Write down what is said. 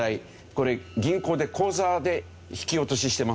これ銀行で口座で引き落とししてませんか？